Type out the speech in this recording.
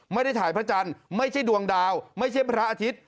ไม่ได้ถ่ายพระจันทร์ไม่ใช่ดวงดาวไม่ใช่พระอาทิตย์